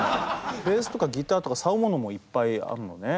ベースとかギターとかさおものもいっぱいあるのね。